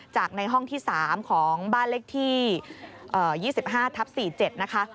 ในห้องที่๓ของบ้านเลขที่๒๕ทับ๔๗นะคะ